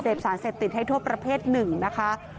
สารเสพติดให้โทษประเภทหนึ่งนะคะ